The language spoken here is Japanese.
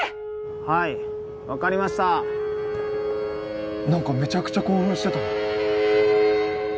はい分かりました何かめちゃくちゃ興奮してたなよ